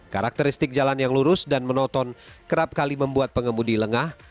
karakteristik jalan yang lurus dan menonton kerap kali membuat pengemudi lengah